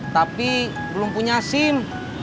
tapi belum punya sim